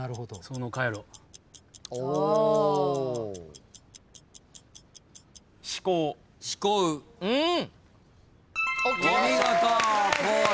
うん。